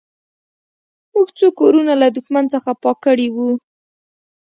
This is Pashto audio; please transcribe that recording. موږ څو کورونه له دښمن څخه پاک کړي وو